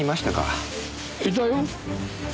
いたよ。